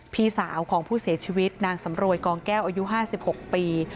พี่สาวของผู้เสียชีวิตนางสำรวยกองแก้วอายุ๕๖ปี